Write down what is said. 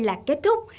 là kết thúc